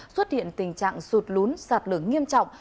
xuất hiện tình trạng sụt lún sạt lở nghiêm trọng